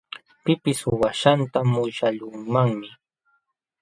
Pipis suwaaśhqanta musyaqluumanmi.